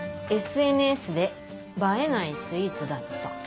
「ＳＮＳで映えないスイーツだった」。